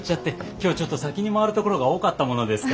今日ちょっと先に回る所が多かったものですから。